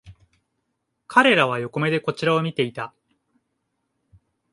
彼らは横目でこちらを見ていた